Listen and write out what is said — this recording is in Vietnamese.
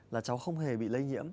là cháu không hề bị lây nhiễm